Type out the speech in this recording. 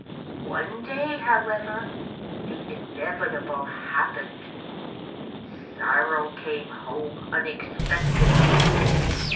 One day, however, the inevitable happened: Cyril came home unexpectedly.